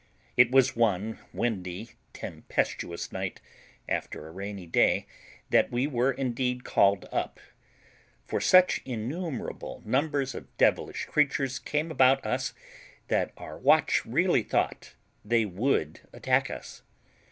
It was one windy, tempestuous night, after a rainy day, that we were indeed called up; for such innumerable numbers of devilish creatures came about us that our watch really thought they would attack us.